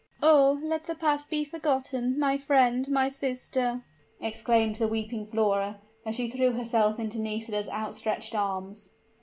"Oh, let the past be forgotten, my friend, my sister!" exclaimed the weeping Flora, as she threw herself into Nisida's outstretched arms.